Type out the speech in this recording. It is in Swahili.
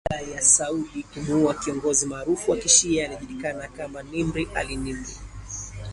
Baada ya Saudi kumuua kiongozi maarufu wa kishia, aliyejulikana kama Nimr al-Nimr.